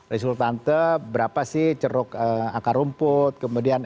resultante berapa sih ceruk akar rumput kemudian elitnya